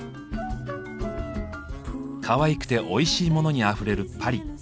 かわいくておいしいモノにあふれるパリ。